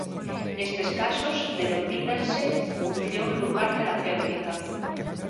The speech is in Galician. Nestes casos denomínase "punción lumbar terapéutica".